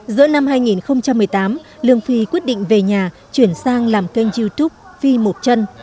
giữa năm hai nghìn một mươi tám lương phi quyết định về nhà chuyển sang làm kênh youtube phi một chân